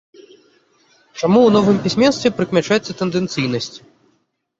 Чаму ў новым пісьменстве прыкмячаецца тэндэнцыйнасць?